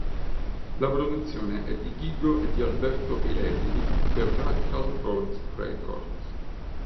La produzione è di Ghigo e di Alberto Pirelli per "Radical Roads Records".